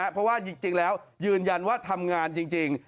เพราะว่าจริงแล้วยืนยันว่าทำงานจริง